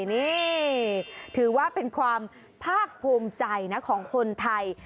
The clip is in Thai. นี่ถือว่าเป็นความภาคภูมิใจนะของคนไทย